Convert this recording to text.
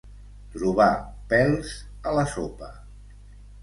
Trobar pèls a la sopa.